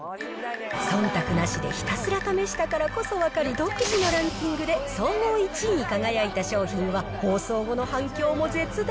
そんたくなしでひたすら試したからこそ分かる独自のランキングで、総合１位に輝いた商品は、放送後の反響も絶大。